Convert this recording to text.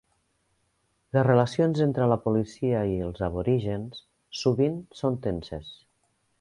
Les relacions entre la policia i els aborígens sovint són tenses.